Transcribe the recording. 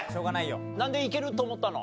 なんでいけると思ったの？